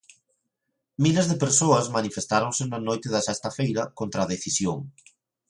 Miles de persoas manifestáronse na noite da sexta feira contra a decisión.